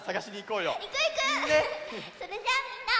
それじゃあみんな。